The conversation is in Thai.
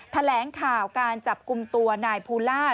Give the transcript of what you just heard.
แถลงข่าวการจับกลุ่มตัวนายภูล่า